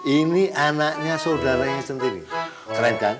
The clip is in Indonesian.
ini anaknya saudaranya sendiri keren kan